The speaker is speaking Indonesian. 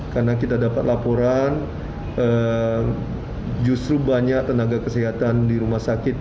karena kita dapat laporan justru banyak tenaga kesehatan di rumah sakit